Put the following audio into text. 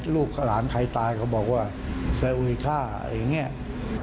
ลูกหลานใครตายก็บอกว่าซีอุยฆ่าอะไรแบบนี้